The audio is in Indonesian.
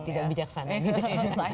tidak bijaksana gitu ya